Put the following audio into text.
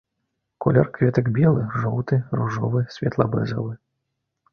Колер кветак белы, жоўты, ружовы, светла-бэзавы.